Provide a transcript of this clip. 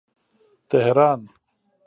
تهران